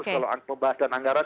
kalau pembahasan anggaran